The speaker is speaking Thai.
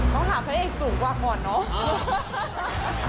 ต้องหาพระเอกสูงกว่าก่อนเนอะ